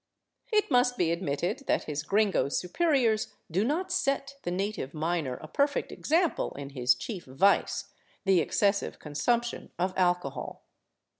It must be admitted that his gringo superiors do not set the native miner a perfect example in his chief vice, the excessive consumption of alcohol.